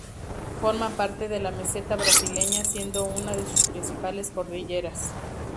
Forma parte de la Meseta Brasileña siendo unas de sus principales cordilleras.